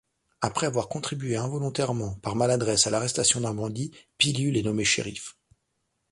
Après avoir contribué involontairement, par maladresse à l'arrestation d'un bandit, Pilule est nommé Shérif.